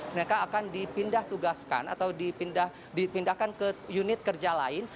mereka akan dipindah tugaskan atau dipindahkan ke unit kerja lain